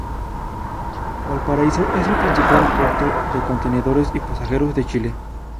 Valparaíso es el principal puerto de contenedores y pasajeros de Chile.